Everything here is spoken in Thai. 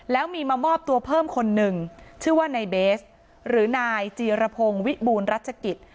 แล้วมีมามอบตัวเพิ่มคนหนึ่งชื่อว่านายเบสหรือนายจีรพงศ์วิบูรณรัชกิจ